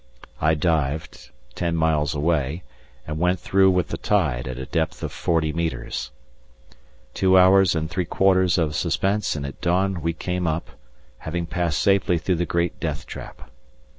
I dived, ten miles away, and went through with the tide at a depth of forty metres. Two hours and three quarters of suspense, and at dawn we came up, having passed safely through the great deathtrap.